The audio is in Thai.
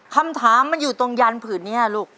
คำถามมันอยู่ตรงยันผืนนี้ลูก